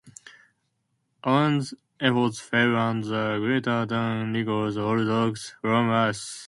Owen's efforts fail and the Greater Dane recalls all dogs from Earth.